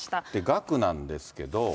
額なんですけど。